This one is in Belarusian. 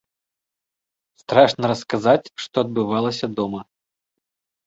Страшна расказаць, што адбывалася дома.